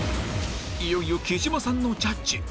いよいよ貴島さんのジャッジ